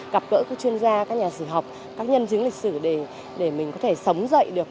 gặp gỡ các chuyên gia các nhà sử học các nhân chứng lịch sử để mình có thể sống dậy được